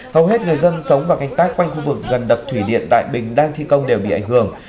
hầu hết người dân sống và canh tác quanh khu vực gần đập thủy điện đại bình đang thi công đều bị ảnh hưởng